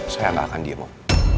saya gak akan diem om